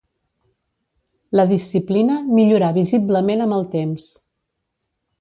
La disciplina millorà visiblement amb el temps.